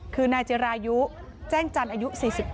คือนายจิรายุแจ้งจันทร์อายุ๔๑